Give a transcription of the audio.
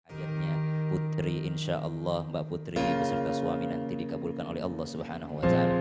akhirnya putri insyaallah mbak putri beserta suami nanti dikabulkan oleh allah swt